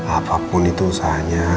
apapun itu usahanya